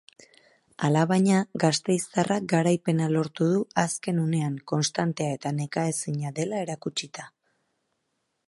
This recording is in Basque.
Alabaina, gasteiztarrak garaipena lortu du azken unean konstantea eta nekaezina dela erakutsita.